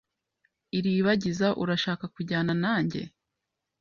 Iribagiza, urashaka kujyana nanjye?